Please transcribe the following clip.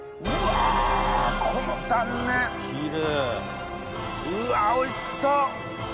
うわおいしそう！